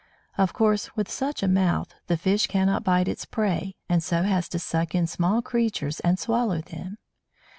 Of course, with such a mouth, the fish cannot bite its prey, and so has to suck in small creatures and swallow them.